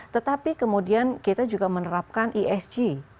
tetapi kemudian kita juga menerapkan esg